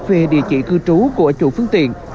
về địa chỉ cư trú của chủ phương tiện